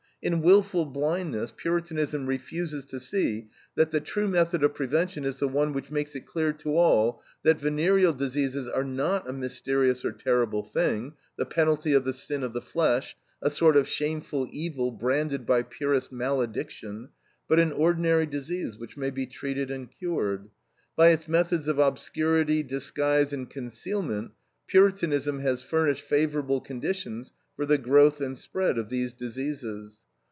In wilful blindness Puritanism refuses to see that the true method of prevention is the one which makes it clear to all that "venereal diseases are not a mysterious or terrible thing, the penalty of the sin of the flesh, a sort of shameful evil branded by purist malediction, but an ordinary disease which may be treated and cured." By its methods of obscurity, disguise, and concealment, Puritanism has furnished favorable conditions for the growth and spread of these diseases.